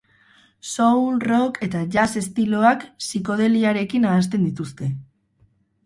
Soul, rock eta jazz estiloak psikodeliarekin nahasten dituzte.